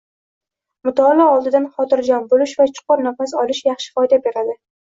Mutolaa oldidan xotirjam boʻlish va chuqur nafas olish yaxshi foyda beradi